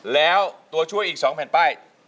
แล้วตัวช่วยอีก๒แผ่นป้าย